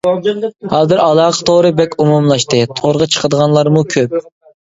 ھازىر ئالاقە تورى بەك ئومۇملاشتى، تورغا چىقىدىغانلارمۇ كۆپ.